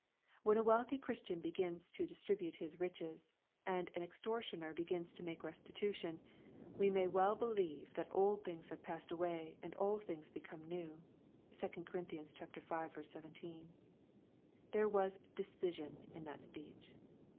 When a wealthy Christian begins to distribute his riches, and an extortioner begins to make restitution, we may well believe that old things have passed away, and all things become new\ (2 Cor. v. 17.) — There was decision in that speech.